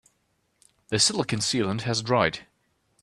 The silicon sealant has dried.